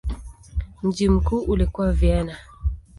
Mji mkuu ulikuwa Vienna.